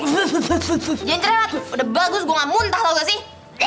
genre udah bagus gue gak muntah tau gak sih